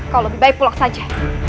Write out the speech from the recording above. kau lebih baik pulang saja